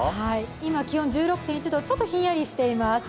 今気温１６．１度、ちょっとひんやりしています。